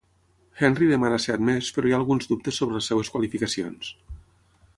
Henry demana ser admès però hi ha alguns dubtes sobre les seves qualificacions.